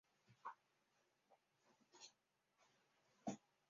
后溪镇是中国福建省厦门市集美区下辖的一个镇。